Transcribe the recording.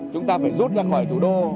chúng ta phải rút ra khỏi thủ đô